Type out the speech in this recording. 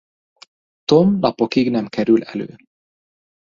Tom napokig nem kerül elő.